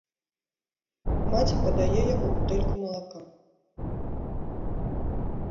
Маці падае яму бутэльку малака.